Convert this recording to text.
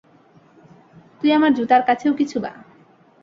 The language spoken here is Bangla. তুই আমার জুতার কাছেও কিছু বা।